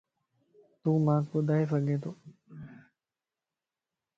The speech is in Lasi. تون مانک ٻڌائي سڳي تو